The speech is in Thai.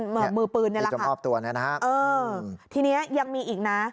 มือปืนที่หมอบตัวตัวเนี่ยที่นี้ยังมีอีกนะ